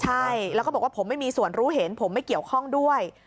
ใช่แล้วก็บอกว่าผมไม่มีส่วนรู้เห็นผมไม่เกี่ยวข้องด้วย